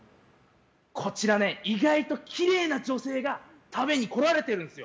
こちら、意外ときれいな女性が食べに来られてるんですよ。